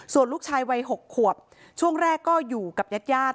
ส่วนลูกชายวัย๖ขวบช่วงแรกก็อยู่กับญาติญาติ